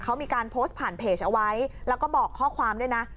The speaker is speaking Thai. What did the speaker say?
เขามีการโพสต์ผ่านเพจเอาไว้แล้วก็บอกข้อความด้วยนะ